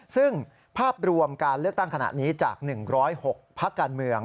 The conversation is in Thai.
ซึ่งภาพรวมการเลือกตั้งขณะนี้จาก๑๐๖พักการเมือง